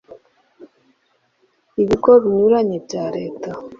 ibigo binyuranye bya leta